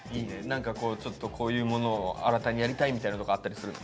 何かちょっとこういうものを新たにやりたいみたいなのとかあったりするの？